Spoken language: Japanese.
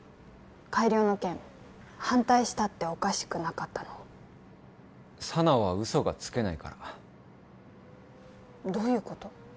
改良の件反対したっておかしくなかったのに佐奈はウソがつけないからどういうこと？